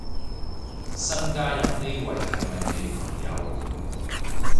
新加入呢位係咪你朋友